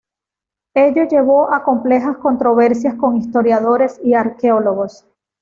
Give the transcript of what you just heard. Ello llevó a complejas controversias con historiadores y arqueólogos.